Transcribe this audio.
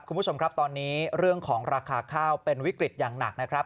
คุณผู้ชมครับตอนนี้เรื่องของราคาข้าวเป็นวิกฤตอย่างหนักนะครับ